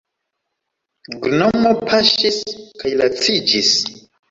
Gnomo paŝis kaj laciĝis.